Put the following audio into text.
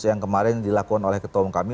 yang kemarin dilakukan oleh ketua umum kami